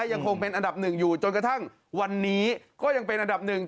ยังคงเป็นอันดับหนึ่งอยู่จนกระทั่งวันนี้ก็ยังเป็นอันดับหนึ่ง